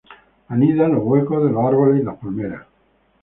Anida en los huecos de los árboles y las palmeras.